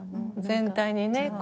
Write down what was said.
全体にね。